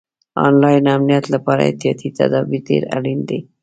آنلاین امنیت لپاره احتیاطي تدابیر ډېر اړین دي.